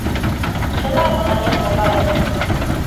Чыла мыланем логалеш!